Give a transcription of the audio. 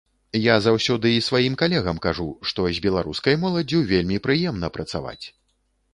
Я заўсёды і сваім калегам кажу, што з беларускай моладдзю вельмі прыемна працаваць.